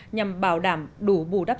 nhằm bảo đảm đủ bù đắp